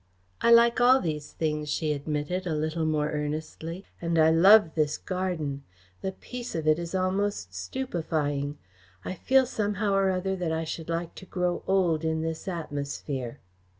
"I like all these things," she admitted, a little more earnestly, "and I love this garden. The peace of it is almost stupefying. I feel somehow or other that I should like to grow old in this atmosphere."